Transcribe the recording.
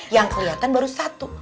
yang keliatan baru satu